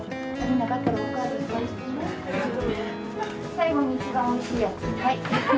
最後に一番おいしいやつ。